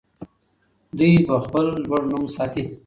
دوی به خپل لوړ نوم ساتي.